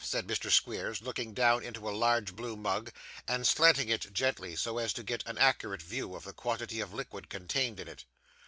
said Mr. Squeers, looking down into a large blue mug, and slanting it gently, so as to get an accurate view of the quantity of liquid contained in it.